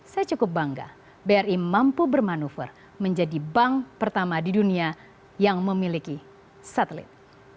saya cukup bangga bri mampu bermanuver menjadi bank pertama di dunia yang memiliki satelit